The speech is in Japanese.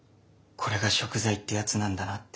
これがしょく罪ってやつなんだなって。